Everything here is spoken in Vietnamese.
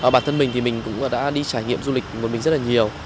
bản thân mình thì mình cũng đã đi trải nghiệm du lịch một mình rất là nhiều